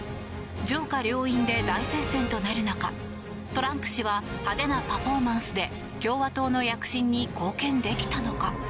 上下両院で大接戦となる中トランプ氏は派手なパフォーマンスで共和党の躍進に貢献できたのか。